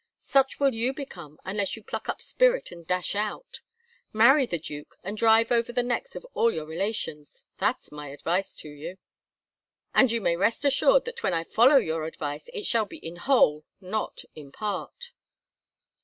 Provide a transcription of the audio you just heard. Such will you become unless you pluck up spirit and dash out. Marry the Duke, and drive over the necks of all your relations; that's my advice to you." "And you may rest assured that when I follow your advice it shall be in whole not in part."